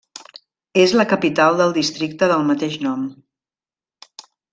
És la capital del districte del mateix nom.